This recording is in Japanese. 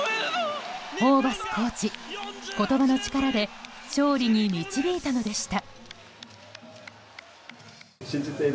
ホーバスコーチ、言葉の力で勝利に導いたのでした。